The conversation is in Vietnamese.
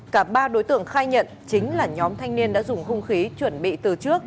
cả ba đối tượng khai nhận chính là nhóm thanh niên đã dùng hung khí chuẩn bị từ trước